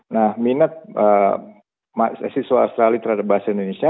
nah minat mahasiswa australia terhadap bahasa indonesia